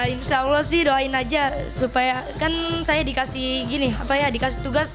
insya allah sih doain aja supaya kan saya dikasih tugas